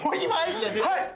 はい！